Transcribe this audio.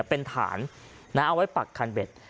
เป็นฐานเอาไว้ปักคันเบ็ด